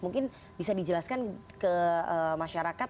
mungkin bisa dijelaskan ke masyarakat